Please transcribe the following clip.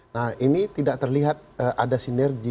nah ini tidak terlihat ada sinergi